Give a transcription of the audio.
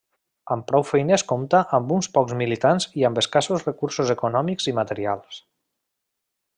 Amb prou feines compta amb uns pocs militants i amb escassos recursos econòmics i materials.